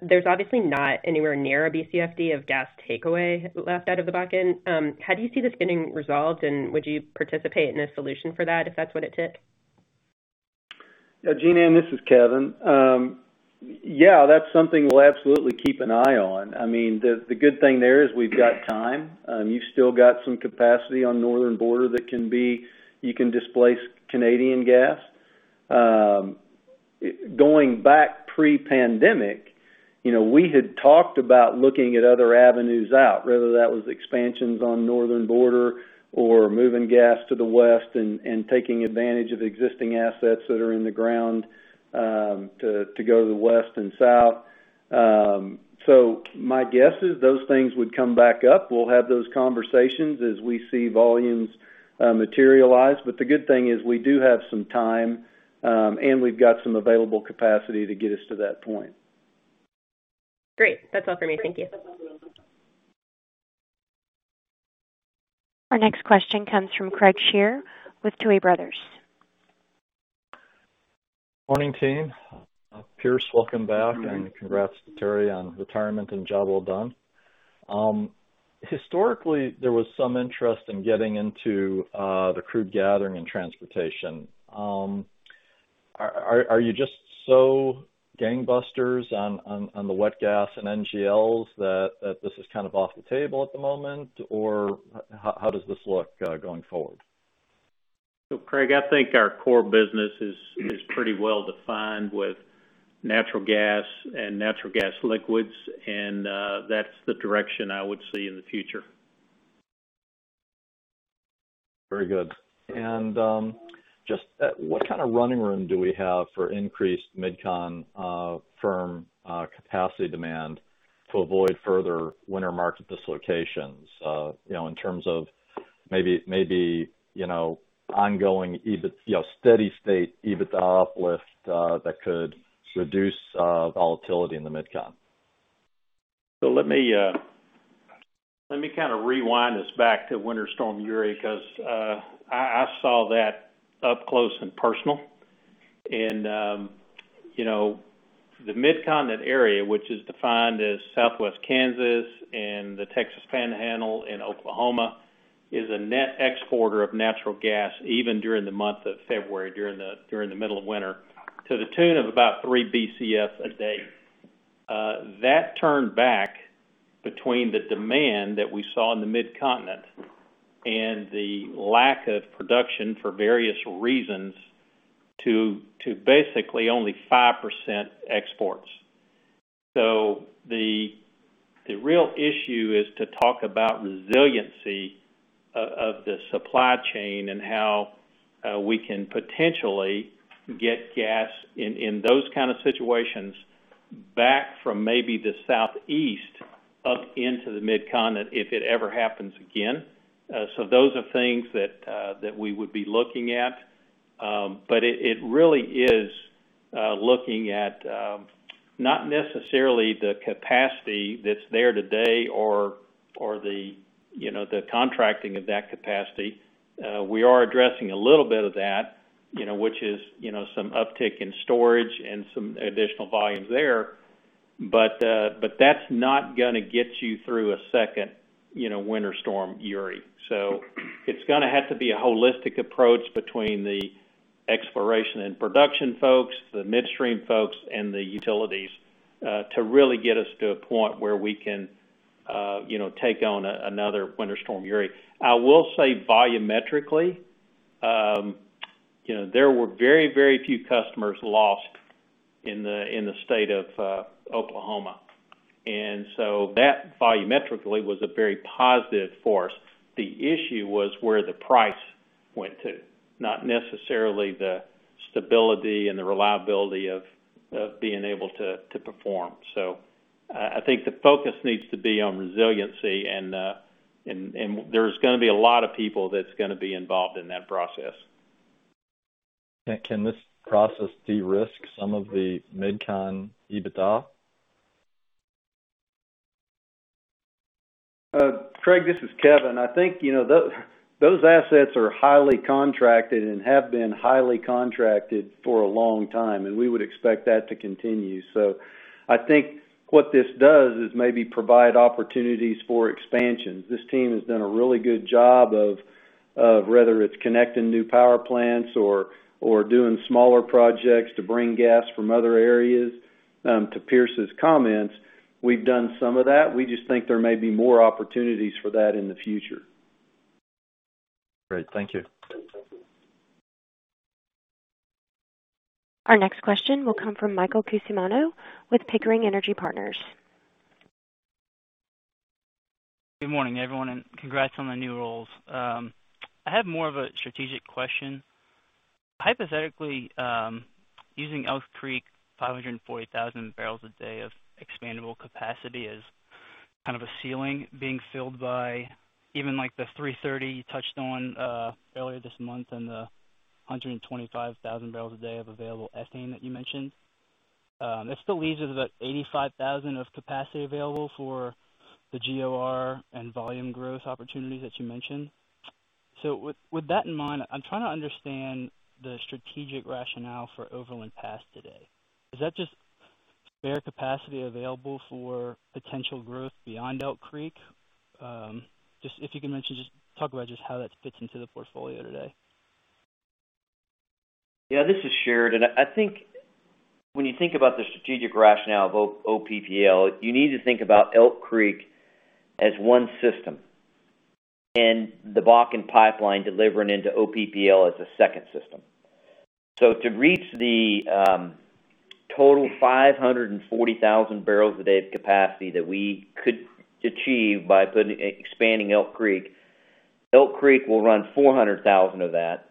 There's obviously not anywhere near 1 BCFD of gas takeaway left out of the Bakken. How do you see this getting resolved, and would you participate in a solution for that, if that's what it took? Jean Ann, this is Kevin. That's something we'll absolutely keep an eye on. The good thing there is we've got time. You've still got some capacity on Northern Border that you can displace Canadian gas. Going back pre-pandemic, we had talked about looking at other avenues out, whether that was expansions on Northern Border or moving gas to the west and taking advantage of existing assets that are in the ground to go to the west and south. My guess is those things would come back up. We'll have those conversations as we see volumes materialize. The good thing is we do have some time, and we've got some available capacity to get us to that point. Great. That's all for me. Thank you. Our next question comes from Craig Shere with Tuohy Brothers. Morning, team. Pierce, welcome back, and congrats to Terry on retirement and job well done. Historically, there was some interest in getting into the crude gathering and transportation. Are you just so gangbusters on the wet gas and NGLs that this is kind of off the table at the moment, or how does this look going forward? Craig, I think our core business is pretty well-defined with natural gas and natural gas liquids, and that's the direction I would see in the future. Very good. Just what kind of running room do we have for increased MidCon firm capacity demand to avoid further winter market dislocations? In terms of maybe ongoing steady state EBITDA uplift that could reduce volatility in the MidCon. Let me kind of rewind us back to Winter Storm Uri, because I saw that up close and personal. The Mid-Continent area, which is defined as Southwest Kansas and the Texas Panhandle and Oklahoma, is a net exporter of natural gas, even during the month of February, during the middle of winter, to the tune of about 3 BCF a day. That turned back between the demand that we saw in the Mid-Continent and the lack of production for various reasons to basically only 5% exports. The real issue is to talk about resiliency of the supply chain and how we can potentially get gas in those kind of situations back from maybe the Southeast up into the Mid-Continent, if it ever happens again. Those are things that we would be looking at. It really is looking at not necessarily the capacity that's there today or the contracting of that capacity. We are addressing a little bit of that, which is some uptick in storage and some additional volumes there. That's not going to get you through a second Winter Storm Uri. It's going to have to be a holistic approach between the exploration and production folks, the midstream folks, and the utilities to really get us to a point where we can take on another Winter Storm Uri. I will say volumetrically, there were very few customers lost in the state of Oklahoma. That volumetrically was a very positive force. The issue was where the price went to, not necessarily the stability and the reliability of being able to perform. I think the focus needs to be on resiliency and. There's going to be a lot of people that's going to be involved in that process. Can this process de-risk some of the MidCon EBITDA? Craig, this is Kevin. I think those assets are highly contracted and have been highly contracted for a long time. We would expect that to continue. I think what this does is maybe provide opportunities for expansion. This team has done a really good job of whether it's connecting new power plants or doing smaller projects to bring gas from other areas. To Pierce's comments, we've done some of that. We just think there may be more opportunities for that in the future. Great. Thank you. Our next question will come from Michael Cusimano with Pickering Energy Partners. Good morning, everyone, and congrats on the new roles. I have more of a strategic question. Hypothetically, using Elk Creek 540,000 bbl a day of expandable capacity as kind of a ceiling being filled by even like the 330 you touched on earlier this month and the 125,000 bbl a day of available ethane that you mentioned. It still leaves us about 85,000 of capacity available for the GOR and volume growth opportunities that you mentioned. With that in mind, I'm trying to understand the strategic rationale for Overland Pass today. Is that just spare capacity available for potential growth beyond Elk Creek? If you can mention, just talk about how that fits into the portfolio today. Yeah, this is Sheridan. I think when you think about the strategic rationale of OPPL, you need to think about Elk Creek as one system, and the Bakken pipeline delivering into OPPL as a second system. To reach the total 540,000 bbl a day of capacity that we could achieve by expanding Elk Creek, Elk Creek will run 400,000 of that.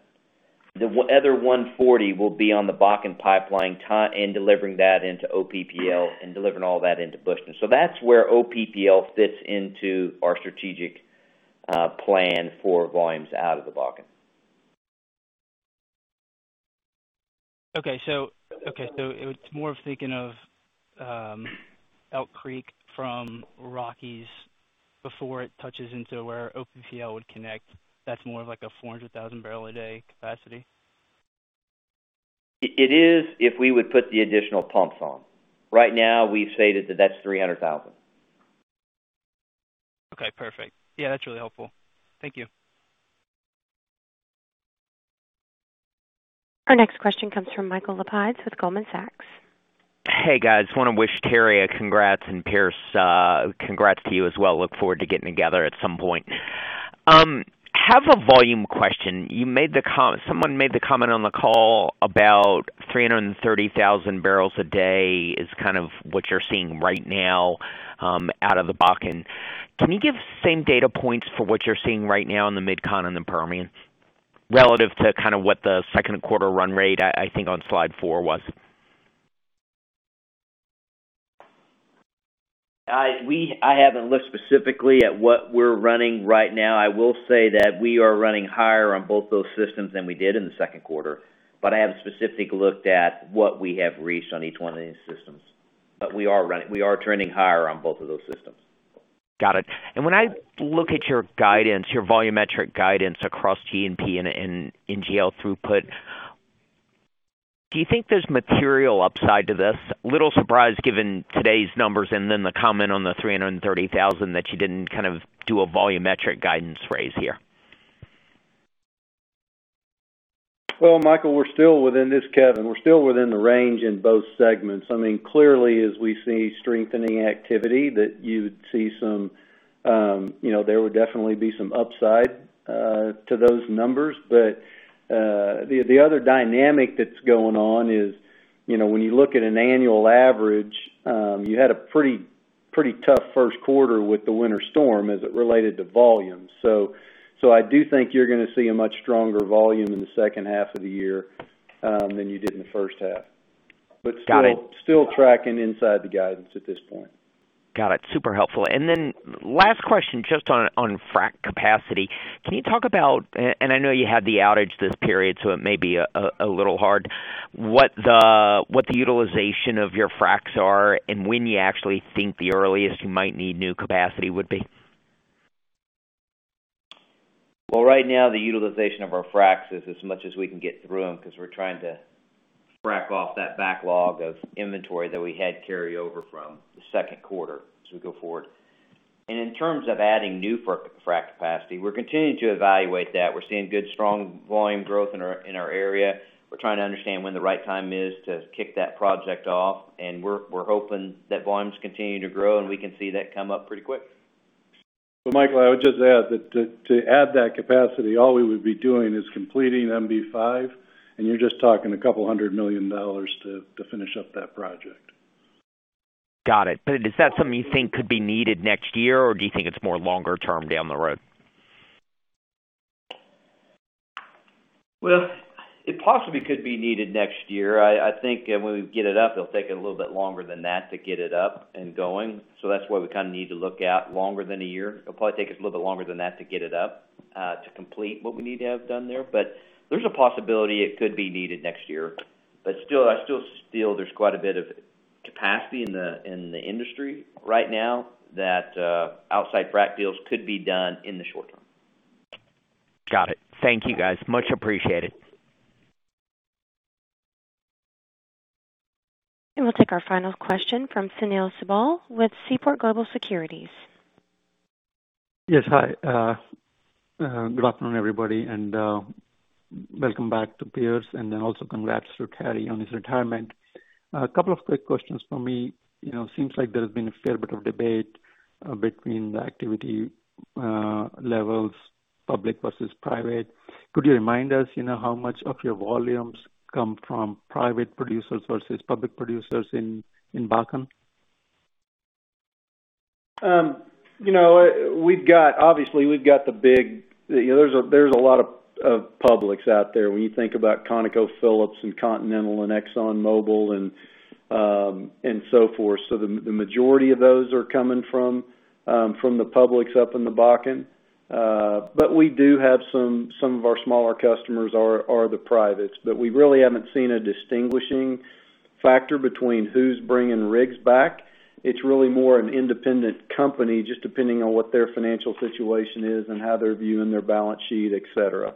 The other 140,000 will be on the Bakken pipeline tie and delivering that into OPPL and delivering all that into Bushton. That's where OPPL fits into our strategic plan for volumes out of the Bakken. Okay. It's more of thinking of Elk Creek from Rockies before it touches into where OPPL would connect. That's more of like a 400,000 bbl/d capacity. It is if we would put the additional pumps on. Right now, we've stated that that's $300,000. Okay, perfect. Yeah, that's really helpful. Thank you. Our next question comes from Michael Lapides with Goldman Sachs. Hey, guys. Want to wish Terry K. Spencer a congrats, and Pierce H. Norton II, congrats to you as well. Look forward to getting together at some point. Have a volume question. Someone made the comment on the call about 330,000 bbl/d is kind of what you're seeing right now out of the Bakken. Can you give same data points for what you're seeing right now in the MidCon and the Permian relative to kind of what the second quarter run rate I think on slide four was? I haven't looked specifically at what we're running right now. I will say that we are running higher on both those systems than we did in the second quarter, but I haven't specifically looked at what we have reached on each one of these systems. We are trending higher on both of those systems. Got it. When I look at your guidance, your volumetric guidance across G&P and NGL throughput, do you think there's material upside to this? I am a little surprised given today's numbers and then the comment on the 330,000 that you didn't kind of do a volumetric guidance raise here. Well, Michael, we're still within this Kevin, we're still within the range in both segments. Clearly, as we see strengthening activity that you'd see some there would definitely be some upside to those numbers. The other dynamic that's going on is when you look at an annual average, you had a pretty tough first quarter with the Winter Storm Uri as it related to volume. I do think you're going to see a much stronger volume in the second half of the year than you did in the first half. Got it. Still tracking inside the guidance at this point. Got it. Super helpful. Last question, just on frac capacity. Can you talk about, and I know you had the outage this period, so it may be a little hard, what the utilization of your fracs are and when you actually think the earliest you might need new capacity would be? Well, right now, the utilization of our fracs is as much as we can get through them because we're trying to frac off that backlog of inventory that we had carry over from the second quarter as we go forward. In terms of adding new frac capacity, we're continuing to evaluate that. We're seeing good, strong volume growth in our area. We're trying to understand when the right time is to kick that project off, and we're hoping that volumes continue to grow, and we can see that come up pretty quick. Michael, I would just add that to add that capacity, all we would be doing is completing MB-5, and you're just talking a couple hundred million dollars to finish up that project. Got it. Is that something you think could be needed next year, or do you think it's more longer term down the road? Well, it possibly could be needed next year. I think when we get it up, it'll take a little bit longer than that to get it up and going. That's why we need to look out longer than a year. It'll probably take us a little bit longer than that to get it up, to complete what we need to have done there. There's a possibility it could be needed next year. Still, there's quite a bit of capacity in the industry right now that outside frac deals could be done in the short term. Got it. Thank you, guys. Much appreciated. We'll take our final question from Sunil Sibal with Seaport Global Securities. Yes. Hi. Good afternoon, everybody, and welcome back to Pierce, and then also congrats to Terry on his retirement. A couple of quick questions for me. Seems like there's been a fair bit of debate between the activity levels, public versus private. Could you remind us how much of your volumes come from private producers versus public producers in Bakken? Obviously, we've got the big There's a lot of publics out there when you think about ConocoPhillips and Continental and ExxonMobil and so forth. The majority of those are coming from the publics up in the Bakken. We do have some of our smaller customers are the privates. We really haven't seen a distinguishing factor between who's bringing rigs back. It's really more an independent company, just depending on what their financial situation is and how they're viewing their balance sheet, et cetera.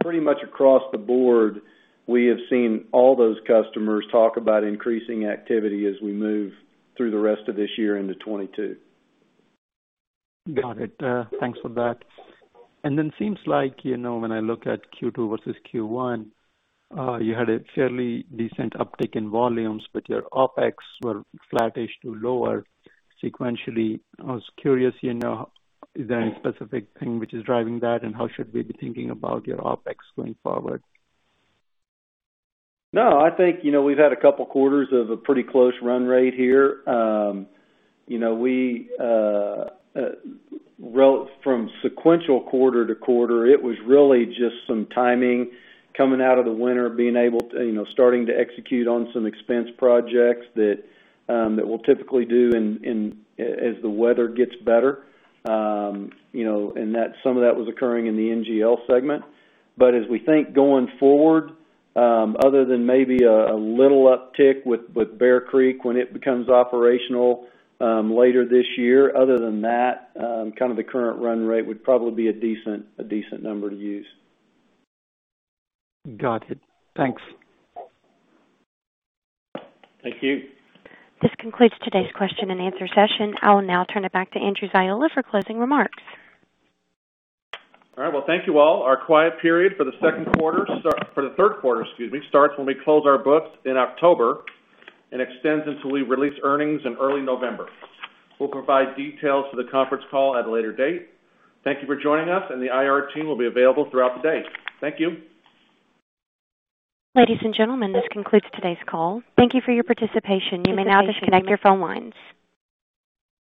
Pretty much across the board, we have seen all those customers talk about increasing activity as we move through the rest of this year into 2022. Got it. Thanks for that. Seems like, when I look at Q2 versus Q1, you had a fairly decent uptick in volumes, but your OPEX were flattish to lower sequentially. I was curious, is there any specific thing which is driving that, and how should we be thinking about your OPEX going forward? I think we've had a couple of quarters of a pretty close run rate here. From sequential quarter to quarter, it was really just some timing coming out of the winter, starting to execute on some expense projects that we'll typically do as the weather gets better. Some of that was occurring in the NGL segment. As we think going forward, other than maybe a little uptick with Bear Creek when it becomes operational later this year, other than that, the current run rate would probably be a decent number to use. Got it. Thanks. Thank you. This concludes today's question and answer session. I will now turn it back to Andrew Ziola for closing remarks. All right. Well, thank you all. Our quiet period for the third quarter, excuse me, starts when we close our books in October and extends until we release earnings in early November. We'll provide details for the conference call at a later date. Thank you for joining us, and the IR team will be available throughout the day. Thank you. Ladies and gentlemen, this concludes today's call. Thank you for your participation. You may now disconnect your phone lines.